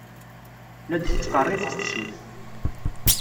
La d-tettqerrib tefsut.